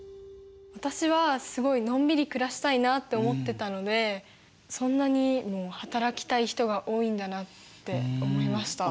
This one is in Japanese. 私はすごいのんびり暮らしたいなと思ってたのでそんなにも働きたい人が多いんだなって思いました。